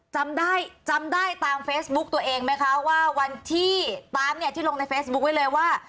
จำได้จำได้ตามเฟซบุ๊กตัวเองไหมคะว่าวันที่ตามเนี่ยที่ลงในเฟซบุ๊คไว้เลยว่า